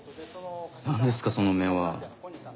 何ですかその目は。